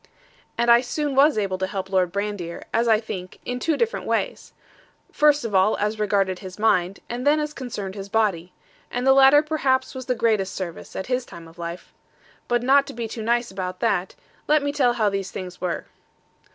And I soon was able to help Lord Brandir, as I think, in two different ways; first of all as regarded his mind, and then as concerned his body: and the latter perhaps was the greatest service, at his time of life. But not to be too nice about that; let me tell how these things were.